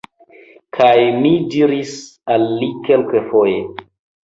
Kaj mi diris al li kelkfoje: